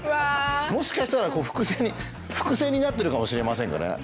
もしかしたら伏線になってるかもしれませんから。